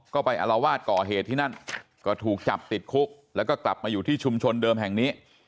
ก็ไปอารวาสก่อเหตุที่นั่นก็ถูกจับติดคุกแล้วก็กลับมาอยู่ที่ชุมชนเดิมแห่งนี้